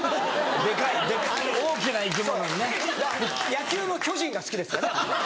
野球も巨人が好きです。